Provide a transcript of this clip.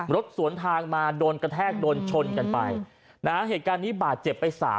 รถสวนทางมาโดนกระแทกโดนชนกันไปนะฮะเหตุการณ์นี้บาดเจ็บไปสาม